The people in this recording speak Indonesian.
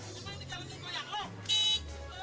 cuma ini kalahnya gua yang loh